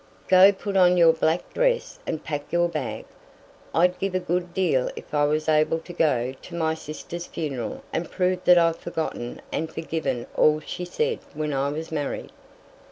Go put on your black dress and pack your bag. I'd give a good deal if I was able to go to my sister's funeral and prove that I've forgotten and forgiven all she said when I was married.